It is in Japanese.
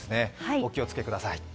お気をつけください。